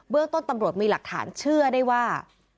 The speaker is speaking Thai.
เรื่องต้นตำรวจมีหลักฐานเชื่อได้ว่า